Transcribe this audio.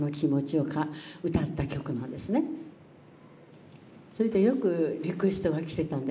それでよくリクエストが来てたんです。